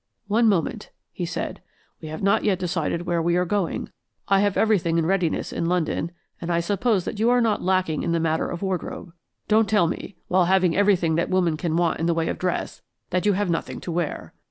"One moment," he said. "We have not yet decided where we are going. I have everything in readiness in London, and I suppose that you are not lacking in the matter of wardrobe. Don't tell me, while having everything that woman can want in the way of dress, that you have nothing to wear."